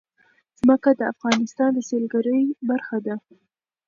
ځمکه د افغانستان د سیلګرۍ برخه ده.